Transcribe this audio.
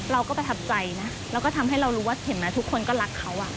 เราก็ประทับใจนะแล้วก็ทำให้เรารู้ว่าเห็นไหมทุกคนก็รักเขา